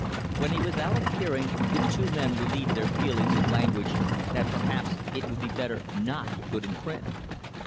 When he was out of hearing the two men relieved their feelings in language that perhaps it would be better not to put in print.